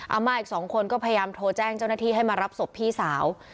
มาอีกสองคนก็พยายามโทรแจ้งเจ้าหน้าที่ให้มารับศพพี่สาว